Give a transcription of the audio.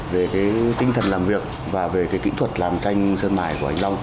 về cái tinh thần làm việc và về kỹ thuật làm tranh sơn mài của anh long